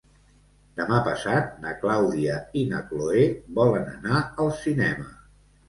Demà passat na Clàudia i na Cloè volen anar al cinema.